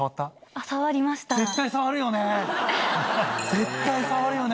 絶対触るよね